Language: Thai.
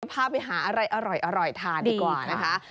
พาไปหาอะไรอร่อยทานดีกว่านะคะ